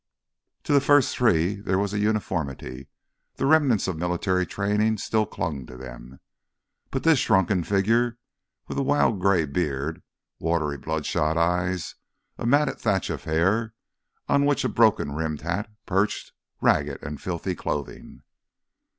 To the first three there was a uniformity; the remnants of military training still clung to them. But this shrunken figure with a wild gray beard, watery, bloodshot eyes, a matted thatch of hair on which a broken rimmed hat perched, ragged and filthy clothing